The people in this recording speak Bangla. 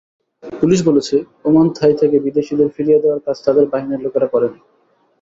পুলিশ বলেছে, ওমানথাই থেকে বিদেশিদের ফিরিয়ে দেওয়ার কাজ তাদের বাহিনীর লোকেরা করেনি।